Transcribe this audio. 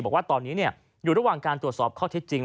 บอกว่าตอนนี้อยู่ระหว่างการตรวจสอบข้อเท็จจริง